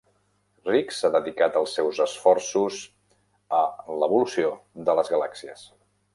Rix ha dedicat els seus esforços a l'evolució de les galàxies.